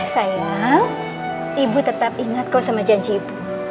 sayang ibu tetap ingat kok sama janji ibu